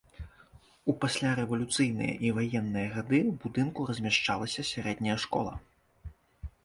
У паслярэвалюцыйныя і ваенныя гады ў будынку размяшчалася сярэдняя школа.